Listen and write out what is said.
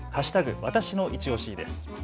わたしのいちオシです。